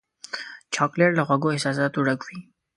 چاکلېټ له خوږو احساساتو ډک وي.